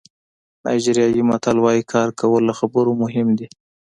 نایجیریايي متل وایي کار کول له خبرو مهم دي.